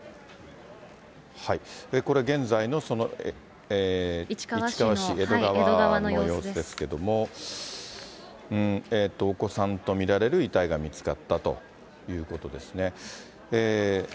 これ、現在の市川市江戸川の様子ですけども、お子さんと見られる遺体が見つかったということですね。